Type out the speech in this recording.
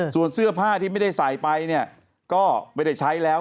ส่วนเสื้อผ้าที่ไม่ได้ใส่ไปเนี่ยก็ไม่ได้ใช้แล้ว